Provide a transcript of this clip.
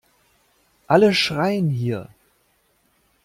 Alle schreien hier!